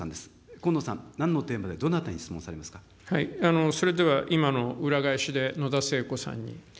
河野さん、なんのテーマで、どなそれでは今の裏返しで、野田聖子さんに。